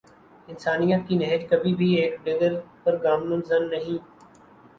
انسانیت کی نہج کبھی بھی ایک ڈگر پر گامزن نہیں